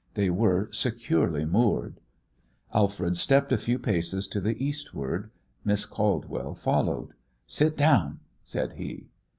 They were securely moored. Alfred stepped a few paces to the eastward. Miss Caldwell followed. "Sit down," said he.